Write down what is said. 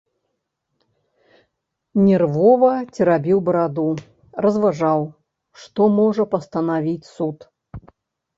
Нервова церабіў бараду, разважаў, што можа пастанавіць суд.